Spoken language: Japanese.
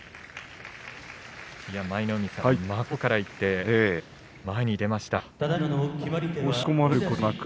舞の海さん、真っ向からいって前に出ましたね。